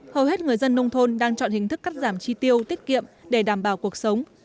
hầu hết người dân nông thôn đang chọn hình thức cắt giảm chi tiêu tiết kiệm để đảm bảo cuộc sống